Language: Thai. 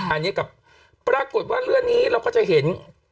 อันนี้กับปรากฏว่าเรื่องนี้เราก็จะเห็น